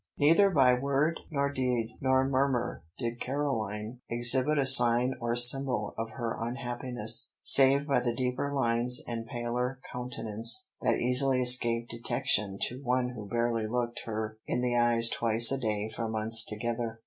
Neither by word nor deed nor murmur did Caroline exhibit a sign or symbol of her unhappiness, save by the deeper lines and paler countenance that easily escaped detection to one who barely looked her in the eyes twice a day for months together.